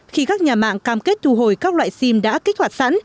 khi các nhà mạng cam kết thu hồi các loại sim đã kích hoạt sẵn